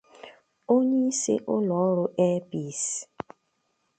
onyeisi ụlọọrụ 'Air Peace'